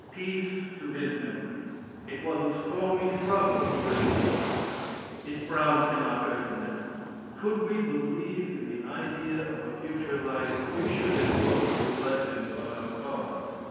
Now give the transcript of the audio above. Peace to his memory! It was a stormy struggle during his life; its frowns cannot hurt him now. Could we believe in the idea of a future life, we should invoke his blessings on our cause.